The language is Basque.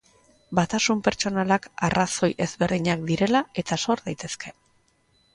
Batasun pertsonalak arrazoi ezberdinak direla eta sor daitezke.